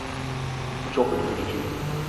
Bu çok ürkütücü.